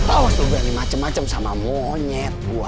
awas lu gani macem macem sama monyet gua